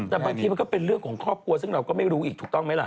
แต่บางทีมันก็เป็นเรื่องของครอบครัวซึ่งเราก็ไม่รู้อีกถูกต้องไหมล่ะ